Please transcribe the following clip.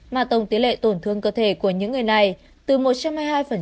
mà tổng tỷ lệ tổn thương cơ thể của những người này từ một trăm hai mươi hai đến hai trăm linh